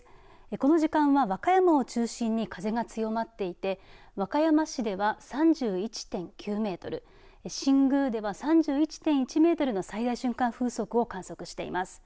この時間は和歌山を中心に風が強まっていて、和歌山市では３１．９メートル新宮では３１．１メートルの最大瞬間風速を観測しています。